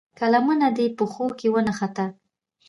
که لمنه دې پښو کې ونښته.